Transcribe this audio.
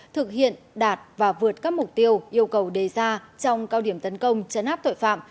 thực hiện đạt và vượt các mục tiêu yêu cầu đề ra trong cao điểm tấn công chấn áp tội phạm